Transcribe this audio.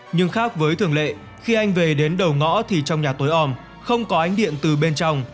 nhưng khác với thường lệ khi anh về đến đầu ngõ thì trong nhà tối ôm không có ánh điện từ bên trong